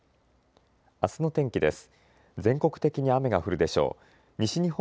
あすの天気です。